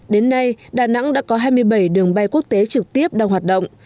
đến nay đà nẵng đã có hai mươi bảy đường bay quốc tế trực tiếp đang hoạt động